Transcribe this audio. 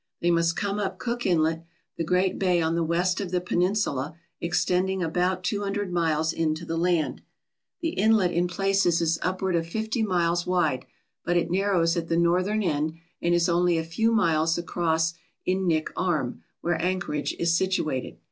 They must come up Cook Inlet, the great bay on the west of the peninsula extending about two hundred miles into the land. The inlet in places is upward of fifty miles wide, but it narrows at the northern end, and is only a few miles across in Knik Arm, where Anchorage is situated.